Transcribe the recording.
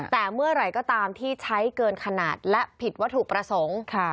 แต่เมื่อไหร่ก็ตามที่ใช้เกินขนาดและผิดวัตถุประสงค์